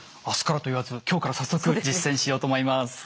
明日からと言わず今日から早速実践しようと思います。